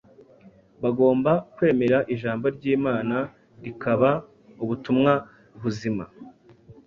bagomba kwemera Ijambo ry’Imana rikaba ubutumwa buzima